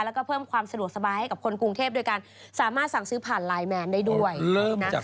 แล้วก็เพิ่มความสะดวกสบายให้กับคนกรุงเทพโดยการสามารถสั่งซื้อผ่านไลน์แมนได้ด้วยนะ